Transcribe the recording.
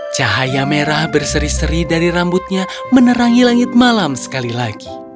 cahaya merah berseri seri dari rambutnya menerangi langit malam sekali lagi